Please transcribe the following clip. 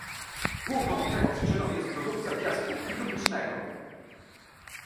Główną tego przyczyną jest produkcja piasku bitumicznego